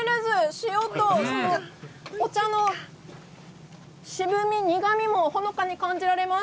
塩とお茶の渋み、苦みもほのかに感じられます。